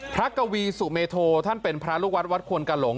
กวีสุเมโทท่านเป็นพระลูกวัดวัดควนกะหลง